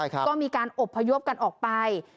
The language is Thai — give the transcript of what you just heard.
ก็มีการอบพยพกันออกไป